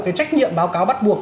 cái trách nhiệm báo cáo bắt buộc